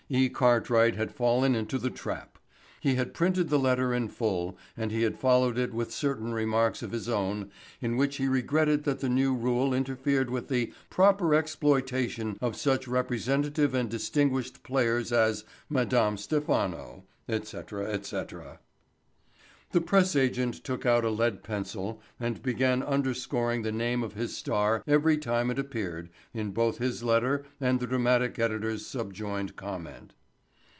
E. Cartwright had fallen into the trap. He had printed the letter in full and he had followed it with certain remarks of his own in which he regretted that the new rule interfered with the "proper exploitation of such representative and distinguished players as Madame Stephano," etc., etc. The press agent took out a lead pencil and began underscoring the name of his star every time it appeared in both his letter and the dramatic editor's subjoined comment.